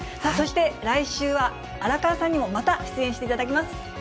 そして来週は、荒川さんにもまた出演していただきます。